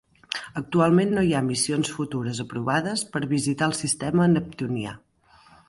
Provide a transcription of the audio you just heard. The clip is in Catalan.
Actualment no hi ha missions futures aprovades per visitar el sistema neptunià.